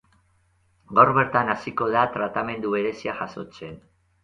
Gaur bertan hasiko da tratamendu berezia jasotzen.